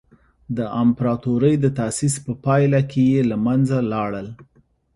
د امپراتورۍ د تاسیس په پایله کې له منځه لاړل.